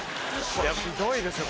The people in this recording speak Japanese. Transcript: ひどいですね！